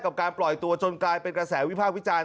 การปล่อยตัวจนกลายเป็นกระแสวิพากษ์วิจารณ์